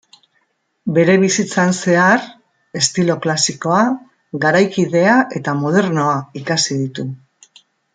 Bere bizitzan zehar, estilo klasikoa, garaikidea eta modernoa ikasi ditu.